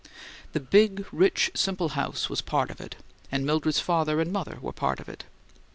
The big, rich, simple house was part of it, and Mildred's father and mother were part of it.